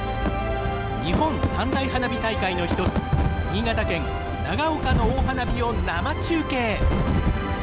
日本３大花火大会の１つ、新潟県長岡の大花火を生中継。